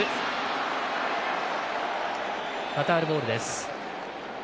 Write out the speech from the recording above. カタールボールです。